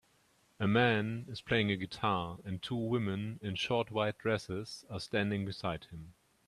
A man is playing a guitar and two women in short white dresses are standing beside him